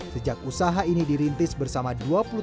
sejak usaha ini dirintis bersama dua puluh tiga